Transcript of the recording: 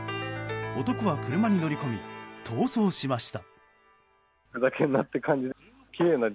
男は車に乗り込み逃走しました。